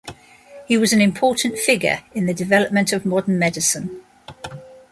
He was an important figure in the development of modern medicine.